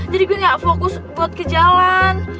jadi gue nggak fokus buat ke jalan